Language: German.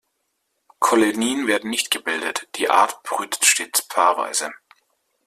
Kolonien werden nicht gebildet, die Art brütet stets paarweise.